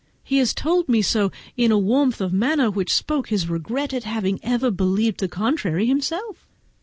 He has told me so with a warmth of manner which spoke his regret at having believed the contrary himself.